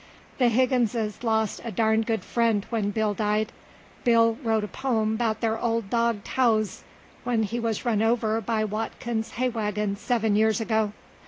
The Higginses lost a darned good friend when Bill died. Bill wrote a pome 'bout their old dog Towze when he wuz run over by Watkins's hay wagon seven years ago.